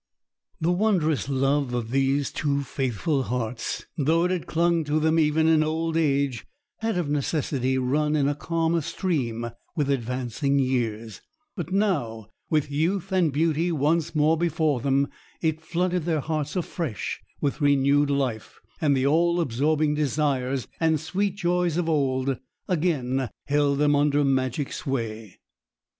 The wondrous love of these two faithful hearts, though it had clung to them even in old age, had of necessity run in a calmer stream with advancing years; but now with youth and beauty once more before them, it flooded their hearts afresh with renewed life, and the all absorbing desires and sweet joys of old again held them under magic sway.